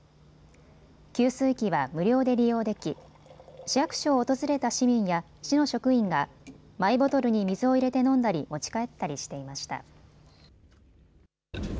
給水機は無料で利用でき市役所を訪れた市民や市の職員がマイボトルに水を入れて飲んだり持ち帰ったりしていました。